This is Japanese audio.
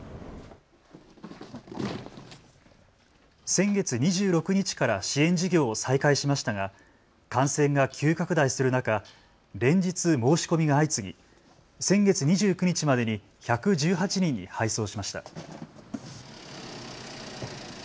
先月２６日から支援事業を再開しましたが感染が急拡大する中、連日申し込みが相次ぎ先月２９日までに１１８人に配送しました。